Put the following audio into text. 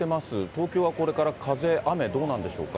東京はこれから風、雨、どうなんでしょうか。